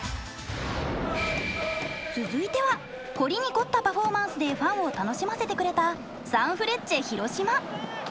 続いては凝りに凝ったパフォーマンスでファンを楽しませてくれたサンフレッチェ広島。